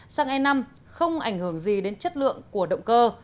xăng e năm không ảnh hưởng gì đến chất lượng của động cơ